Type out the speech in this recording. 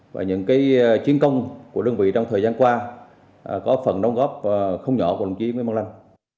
và những chiến công của đơn vị trong thời gian qua có phần đóng góp không nhỏ của đồng chí nguyễn văn lan